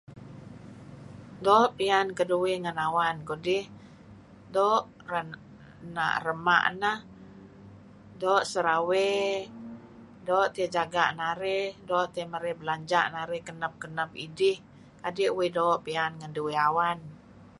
Doo' piyan keduih ngen awan kudih, doo' rema' neh, doo' serawey, doo' tiyeh jaga' narih, merey belanja' narih kenep-kenep idih adi' uih doo' piyan ngen duih awan.